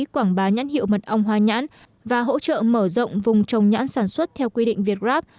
quảng bá nhãn hiệu mật ong hoa nhãn và hỗ trợ mở rộng vùng trồng nhãn sản xuất theo quy định việt grab